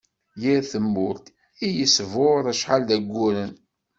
Yir tumelt i yesbur acḥal d ayyuren.